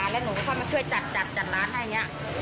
และหนูก็เข้ามาช่วยจัดร้านให้นี้